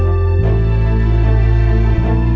kau apa lagi serta semangat